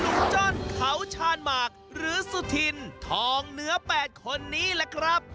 มีลุงจ้อนเขาชานมากหรือสุธินทองเหนือแปดคนนี้แหละครับ